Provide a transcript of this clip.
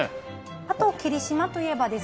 あと霧島といえばですね